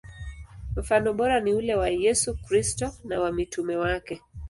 Mfano bora ni ule wa Yesu Kristo na wa mitume wake.